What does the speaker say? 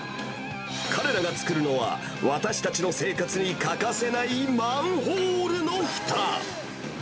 彼らが作るのは、私たちの生活に欠かせないマンホールのふた。